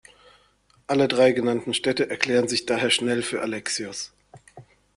Alle drei genannten Städte erklärten sich daher schnell für Alexios.